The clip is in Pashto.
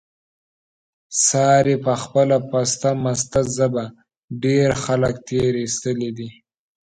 سارې په خپله پسته مسته ژبه، ډېر خلک تېر ایستلي دي.